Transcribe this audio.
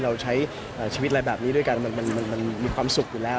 เราใช้ชีวิตอะไรแบบนี้ด้วยกันมันมีความสุขอยู่แล้ว